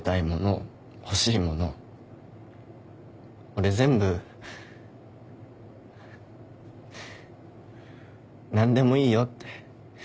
俺全部何でもいいよって。